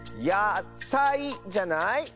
やさいじゃない？